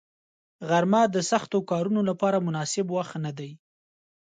غرمه د سختو کارونو لپاره مناسب وخت نه دی